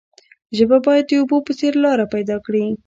ژبه باید د اوبو په څیر لاره پیدا کړي.